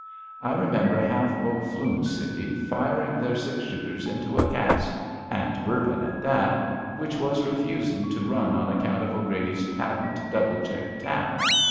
I remember half Bow Flume city firing their six ehooters into a cask — and Bourbon at that — ^which was refusing to run on account of 'Grady's patent double check tap.